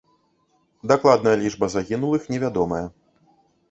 Дакладная лічба загінулых невядомая.